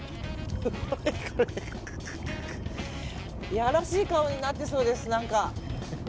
やらしい顔になってそうです。